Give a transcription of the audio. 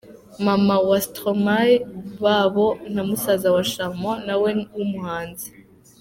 Maman wa Stromae, Babo na musaza we Charmant na we w'umuhanzi.